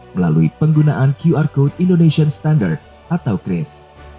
melalui penggunaan qr code indonesian standard atau kris